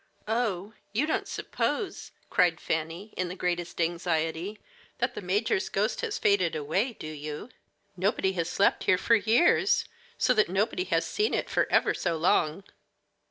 "Oh, you don't suppose," cried Fanny, in the greatest anxiety, "that the major's ghost has faded away, do you? Nobody has slept here for years, so that nobody has seen it for ever so long."